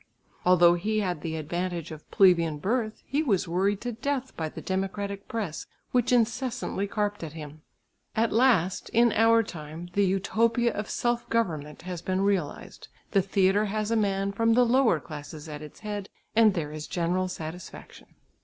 Although he had the advantage of plebeian birth he was worried to death by the democratic press, which incessantly carped at him." At last, in our time, the utopia of self government has been realised, the theatre has a man from the lower classes at its head, and there is general satisfaction.